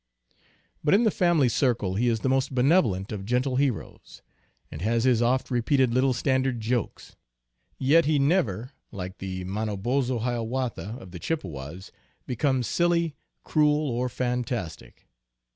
But in the family circle he is the most benevolent of gentle heroes, and has his oft repeated little standard jokes. Yet he never, like the Manobozho Hiawatha of the Chippewas, becomes silly, cruel, or fantastic.